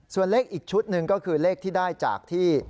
ส่วนเลขอีกชุดหนึ่งก็คือเลขที่ได้จากที่